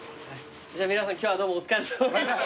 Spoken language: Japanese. じゃあ皆さん今日はどうもお疲れさまでした。